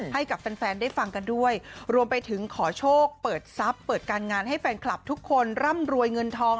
ให้กับแฟนแฟนได้ฟังกันด้วยรวมไปถึงขอโชคเปิดทรัพย์เปิดการงานให้แฟนคลับทุกคนร่ำรวยเงินทอง